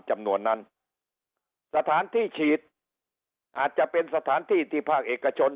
จำนวนนั้นสถานที่ฉีดอาจจะเป็นสถานที่ที่ภาคเอกชน